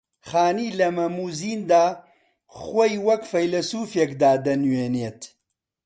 خانی لە مەم و زیندا خۆی وەک فەیلەسووفێکدا دەنووێنێت